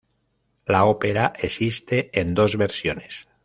La ópera existe en dos versiones.